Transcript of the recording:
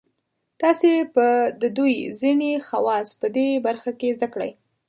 تاسې به د دوی ځینې خواص په دې برخه کې زده کړئ.